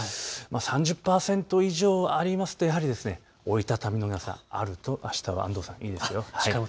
３０％以上ありますとやはり折り畳み傘があるとあしたは安藤さん、いいですよ。